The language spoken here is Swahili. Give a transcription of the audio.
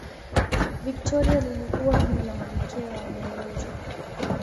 victoria lilikuwa jina la malikia wa uingereza